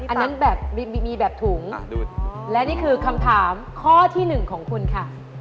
อันนั้นแบบมีแบบถุงและนี่คือคำถามข้อที่หนึ่งของคุณค่ะ